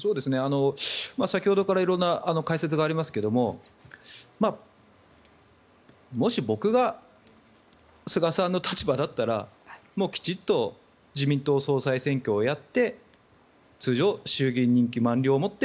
先ほどから色んな解説がありますがもし僕が、菅さんの立場だったらもうきちっと自民党総裁選挙をやって通常、衆議院任期満了をもって